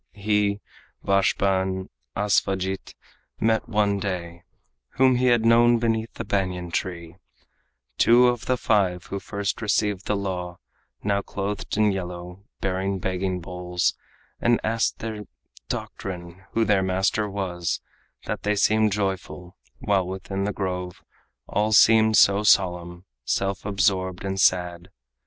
He, Vashpa and Asvajit met one day, Whom he had known beneath the banyan tree, Two of the five who first received the law, Now clothed in yellow, bearing begging bowls, And asked their doctrine, who their master was, That they seemed joyful, while within the grove All seemed so solemn, self absorbed and sad.